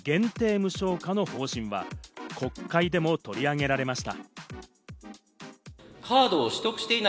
無償化の方針は、国会でも取り上げられました。